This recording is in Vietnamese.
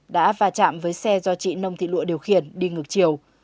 đã va chạm với xe do chị nông thị lụa điều khiển đi ngược chiều